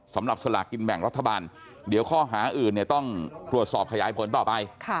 สำหรับสลากกินแบ่งรัฐบาลเดี๋ยวข้อหาอื่นต้องตรวจสอบขยายผลต่อไป